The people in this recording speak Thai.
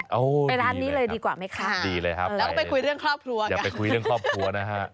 ไปร้านนี้เลยดีกว่าไหมคะดีเลยครับไปอย่าไปคุยเรื่องครอบครัว